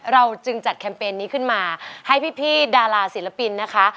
เราจึงจัดแคมเปญนี้ขึ้นมาให้พี่ดาราศิลปินนะคะ